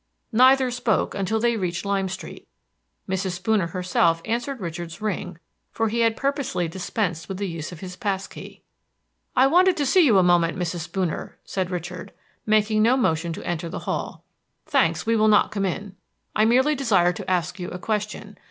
Neither spoke until they reached Lime Street. Mrs. Spooner herself answered Richard's ring, for he had purposely dispensed with the use of his pass key. "I wanted to see you a moment, Mrs. Spooner," said Richard, making no motion to enter the hall. "Thanks, we will not come in. I merely desire to ask you a question.